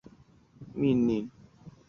每个连由连长与他的下命令。